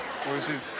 おいしい！